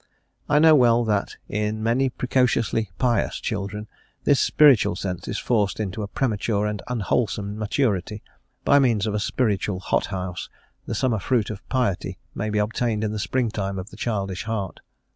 I know well that in many precociously pious children this spiritual sense is forced into a premature and unwholesome maturity; by means of a spiritual hot house the summer fruit of piety may be obtained in the spring time of the childish heart.